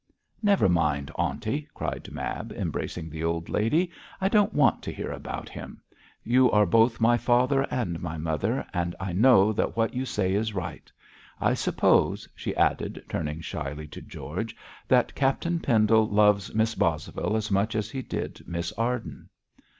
'Never mind, aunty,' cried Mab, embracing the old lady. 'I don't want to hear about him. You are both my father and my mother, and I know that what you say is right. I suppose,' she added, turning shyly to George, 'that Captain Pendle loves Miss Bosvile as much as he did Miss Arden!'